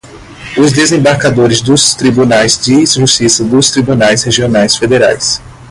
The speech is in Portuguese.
os desembargadores dos Tribunais de Justiça, dos Tribunais Regionais Federais